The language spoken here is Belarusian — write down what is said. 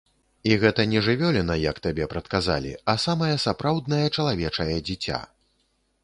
І гэта не жывёліна, як табе прадказалі, а самае сапраўднае чалавечае дзіця.